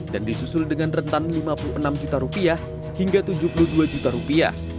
dan disusul dengan rentan rp lima puluh enam hingga rp tujuh puluh dua